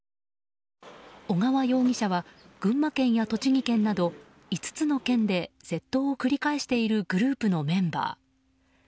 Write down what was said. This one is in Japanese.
小川容疑者は群馬県や栃木県など５つの県で窃盗を繰り返しているグループのメンバー。